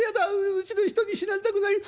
うちの人に死なれたくない！